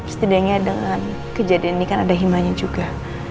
setidaknya dengan kejadian ini kan ada himanya juga